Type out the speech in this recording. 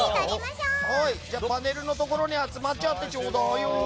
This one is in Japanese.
じゃあ、パネルのところに集まってちょうだいよ。